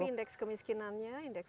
tapi indeks kemiskinannya bagaimana